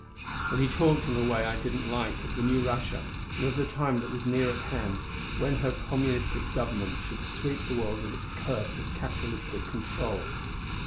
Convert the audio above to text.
And he talked in a way I didn't like of the new Russia and of the time that was near at hand when her communistic government should sweep the world of its curse of capitalistic control.